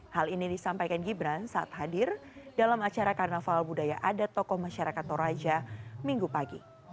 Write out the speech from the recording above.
hal ini disampaikan gibran saat hadir dalam acara karnaval budaya adat tokoh masyarakat toraja minggu pagi